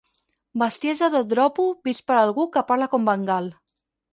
Bestiesa de dropo vist per algú que parla com Van Gaal.